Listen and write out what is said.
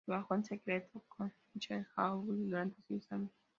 Trabajó en secreto con Michael Vaughn durante siete años.